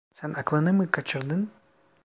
Sen aklını mı kaçırdın?